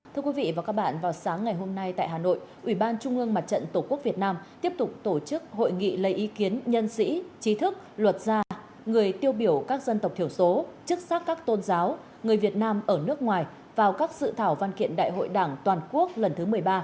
thưa quý vị và các bạn vào sáng ngày hôm nay tại hà nội ủy ban trung ương mặt trận tổ quốc việt nam tiếp tục tổ chức hội nghị lấy ý kiến nhân sĩ trí thức luật gia người tiêu biểu các dân tộc thiểu số chức sắc các tôn giáo người việt nam ở nước ngoài vào các sự thảo văn kiện đại hội đảng toàn quốc lần thứ một mươi ba